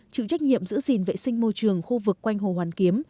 chịu trách nhiệm giữ gìn vệ sinh môi trường khu vực quanh hồ hoàn kiếm